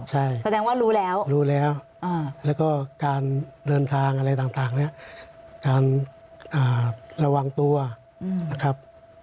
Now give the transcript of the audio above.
ใช่รู้แล้วแล้วก็การเดินทางอะไรต่างนี่การระวังตัวนะครับ